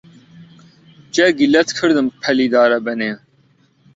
جەرگی لەت کردم پەلی دارەبەنێ